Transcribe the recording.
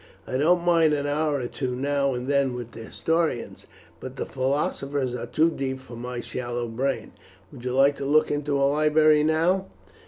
"I don't mind an hour or two now and then with the historians, but the philosophers are too deep for my shallow brain. Would you like to look into a library now?"